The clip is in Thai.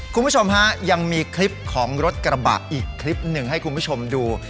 คุณผู้ชมฮะยังมีคลิปของรถกระบะอีกคลิปหนึ่งให้คุณผู้ชมดู